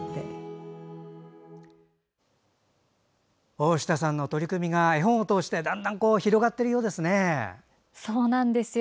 大下さんの取り組みが絵本を通してだんだん広がっているようですね。